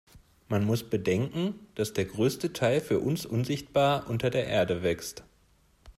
Man muss bedenken, dass der größte Teil für uns unsichtbar unter der Erde wächst.